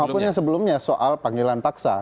maupun yang sebelumnya soal panggilan paksa